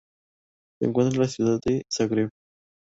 Se encuentra en la ciudad de Zagreb.